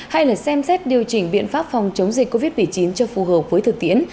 hay là xem xét điều chỉnh biện pháp phòng chống dịch covid một mươi chín cho phù hợp với thực tiễn